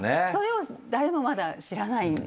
それを誰もまだ知らない。